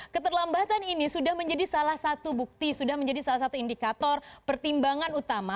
keterlambatan ini sudah menjadi salah satu bukti sudah menjadi salah satu indikator pertimbangan utama